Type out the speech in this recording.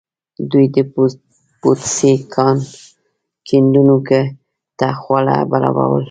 دوی د پوتسي کان کیندونکو ته خواړه برابرول.